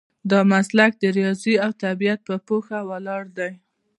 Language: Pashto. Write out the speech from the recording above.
دا مسلک د ریاضي او طبیعت په پوهه ولاړ دی.